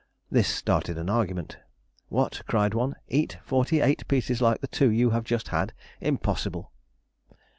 This started an argument. "What!" cried one; "eat forty eight pieces like the two you have just had. Impossible!"